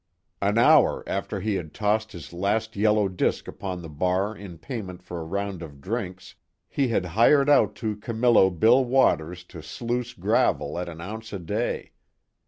An hour after he had tossed his last yellow disk upon the bar in payment for a round of drinks he had hired out to Camillo Bill Waters to sluice gravel at an ounce a day.